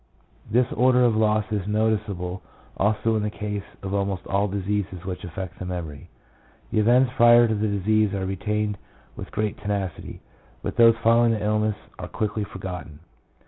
This order of loss is noticeable also in the case of almost all diseases which affect the memory. The events prior to the disease are retained with great tenacity, but those following the illness are quickly forgotten.